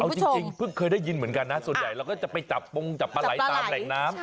เอาจริงเพิ่งเคยได้ยินเหมือนกันนะส่วนใหญ่เราก็จะไปจับปงจับปลาไหลตามแหล่งน้ำ